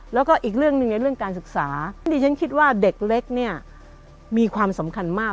แล้วก็อีกเรื่องหนึ่งในเรื่องการศึกษานี่ฉันคิดว่าเด็กเล็กเนี่ยมีความสำคัญมาก